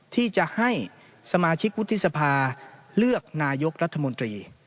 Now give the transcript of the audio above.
ที่จะให้สมาชิกวุฒิสภาเลือกนายกรัฐมนตรี